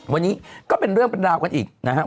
วันนี้ก็เป็นเรื่องเป็นราวกันอีกนะครับ